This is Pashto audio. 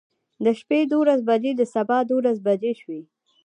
د شپې دولس بجې د سبا دولس بجې شوې.